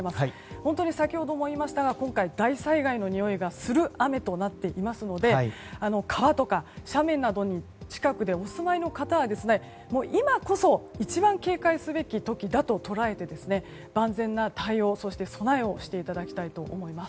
本当に先ほども言いましたが今回、大災害のにおいがする雨となっていますので川とか斜面などの近くにお住まいの方は今こそ一番警戒すべき時だと捉えて万全な対応、備えをしていただきたいと思います。